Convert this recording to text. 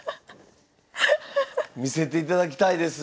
見せていただきたいです。